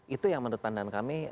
itu yang menurut pandangan kami